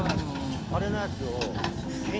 あれのやつを。